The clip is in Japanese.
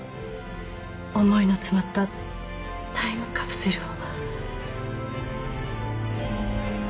思いの詰まったタイムカプセルを。